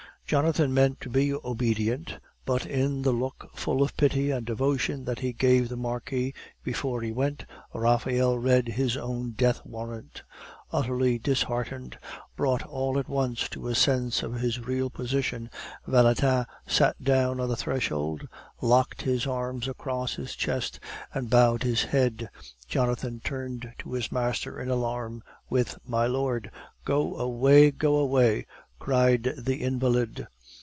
Jonathan meant to be obedient, but in the look full of pity and devotion that he gave the Marquis before he went, Raphael read his own death warrant. Utterly disheartened, brought all at once to a sense of his real position, Valentin sat down on the threshold, locked his arms across his chest, and bowed his head. Jonathan turned to his master in alarm, with "My Lord " "Go away, go away," cried the invalid.